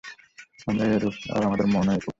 আমরা এইরূপ, আর আমাদের মনও এইরূপ।